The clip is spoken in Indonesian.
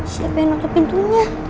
siapa yang nutup pintunya